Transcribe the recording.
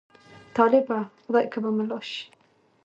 طالبه! خدای که به ملا شې.